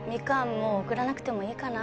もう送らなくてもいいかな